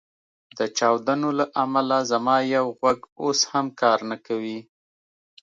د چاودنو له امله زما یو غوږ اوس هم کار نه کوي